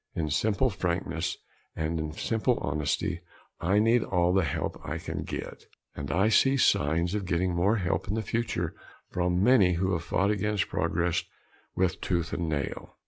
In simple frankness and in simple honesty, I need all the help I can get and I see signs of getting more help in the future from many who have fought against progress with tooth and nail.